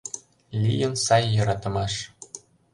Лийын сай йӧратымаш.